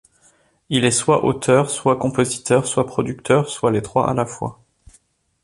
Il est soit auteur, soit compositeur, soit producteur, soit les trois à la fois.